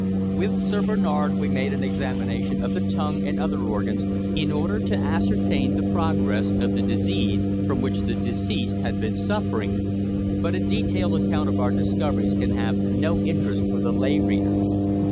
With Sir Bernard we made an examination of the tongue and other organs, in order to ascertain the progress of the disease from which the deceased had been suffering, but a detailed account of our discoveries can have no interest for the lay reader.